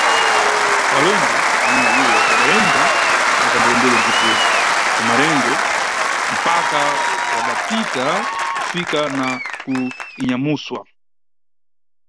Pa ulendo umweyu iwo wadayenda na kanderendere ndipo "kuMarengo" mpaka wadapita kufika na ku "Inyamuswa".